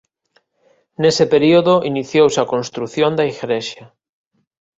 Nese período iniciouse a construción da igrexa.